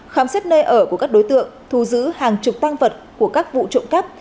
khám xét nơi ở của các đối tượng thu giữ hàng chục tăng vật của các vụ trộm cắp